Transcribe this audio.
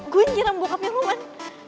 gue yang kiram bokapnya roman